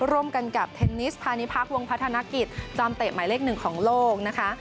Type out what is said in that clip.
ร่วมกันกับเทนนิสภานิพักษ์วงพัฒนากิจจอมเตะหมายเลข๑ของโลก